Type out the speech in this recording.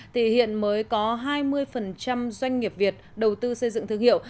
thì hiện mới có hai mươi doanh nghiệp việt đầu tư xây dựng thương hiệu